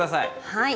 はい。